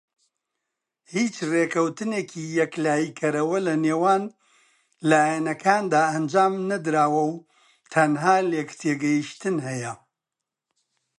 هیچ ڕێککەوتنێکی یەکلایی کەرەوە لەنێوان لایەنەکاندا ئەنجام نەدراوە و تەنها لێکتێگەیشتن هەیە.